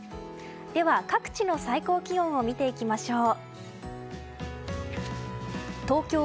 では、各地の最高気温を見ていきましょう。